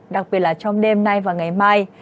đặc biệt là trong đêm nay và ngày mai